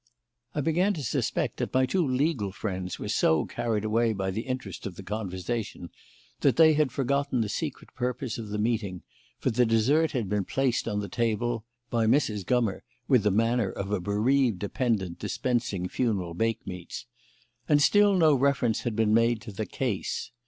I began to suspect that my two legal friends were so carried away by the interest of the conversation that they had forgotten the secret purpose of the meeting, for the dessert had been placed on the table (by Mrs. Gummer with the manner of a bereaved dependant dispensing funeral bakemeats), and still no reference had been made to the "case."